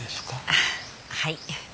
ああはい。